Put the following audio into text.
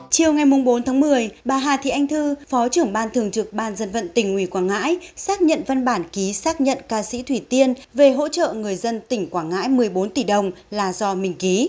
chiều ngày bốn tháng một mươi bà hà thị anh thư phó trưởng ban thường trực ban dân vận tỉnh ủy quảng ngãi xác nhận văn bản ký xác nhận ca sĩ thủy tiên về hỗ trợ người dân tỉnh quảng ngãi một mươi bốn tỷ đồng là do mình ký